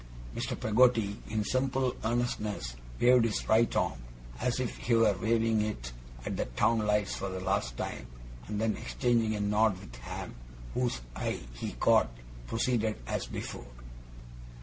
Mr. Peggotty, in simple earnestness, waved his right arm, as if he were waving it at the town lights for the last time, and then, exchanging a nod with Ham, whose eye he caught, proceeded as before.